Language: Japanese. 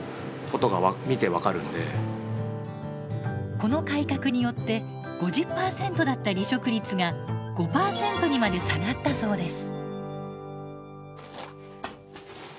この改革によって５０％だった離職率が５％にまで下がったそうです。